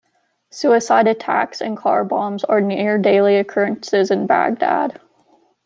Suicide attacks and car bombs are near daily occurrences in Baghdad.